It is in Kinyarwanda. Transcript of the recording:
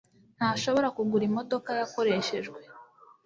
ntashobora kugura imodoka yakoreshejwe